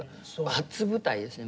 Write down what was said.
初舞台ですね。